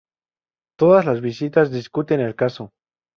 Todas las visitas discuten el caso.